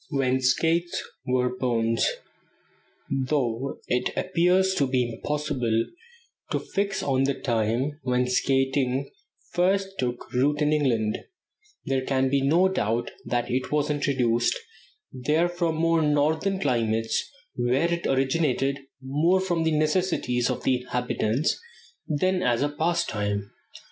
WHEN SKATES WERE BONES. Though it appears to be impossible to fix on the time when skating first took root in England, there can be no doubt that it was introduced there from more northern climates, where it originated more from the necessities of the inhabitants than as a pastime.